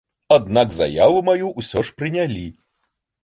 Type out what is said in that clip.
Аднак заяву маю ўсё ж прынялі.